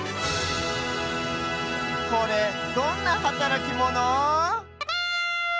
これどんなはたらきモノ？